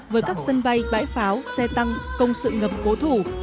với các sân bay bãi pháo xe tăng công sự ngập cố thủ